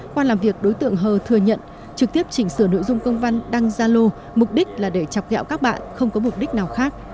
qua làm việc đối tượng hờ thừa nhận trực tiếp chỉnh sửa nội dung công văn đăng gia lô mục đích là để chọc gạo các bạn không có mục đích nào khác